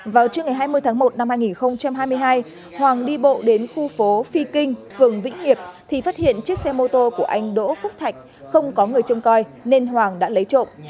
vào trưa ngày hai mươi tháng một năm hai nghìn hai mươi hai hoàng đi bộ đến khu phố phi kinh phường vĩnh hiệp thì phát hiện chiếc xe mô tô của anh đỗ phúc thạch không có người trông coi nên hoàng đã lấy trộm